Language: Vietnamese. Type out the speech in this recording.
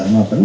nhưng mà vẫn